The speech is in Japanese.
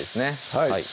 はい